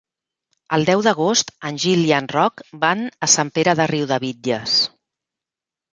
El deu d'agost en Gil i en Roc van a Sant Pere de Riudebitlles.